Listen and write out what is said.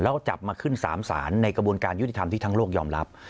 แล้วจับมาขึ้น๓สารในกระบวนการยุติธรรมที่ทั้งโลกยอมรับ